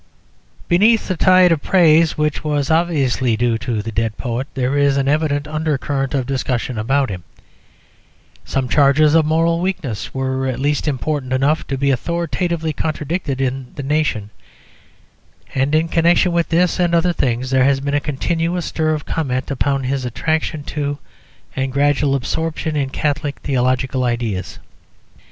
Beneath the tide of praise which was obviously due to the dead poet, there is an evident undercurrent of discussion about him; some charges of moral weakness were at least important enough to be authoritatively contradicted in the Nation; and, in connection with this and other things, there has been a continuous stir of comment upon his attraction to and gradual absorption in Catholic theological ideas.